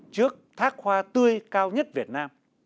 trước thác hoa tươi cao nhất việt nam